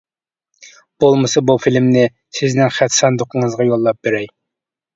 بولمىسا بۇ فىلىمنى سىزنىڭ خەت ساندۇقىڭىزغا يوللاپ بېرەي.